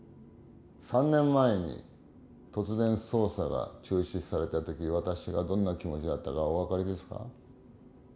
３年前に突然捜査が中止された時私がどんな気持ちだったかお分かりですか？